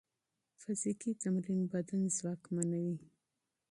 فزیکي تمرین بدن ځواکمنوي.